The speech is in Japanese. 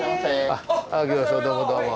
あどうもどうも。